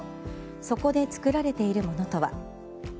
そこで作られているものとは。